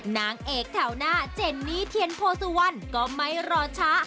นางเอกแถวหน้าเจนนี่เทียนโพสุวรรณก็ไม่รอช้า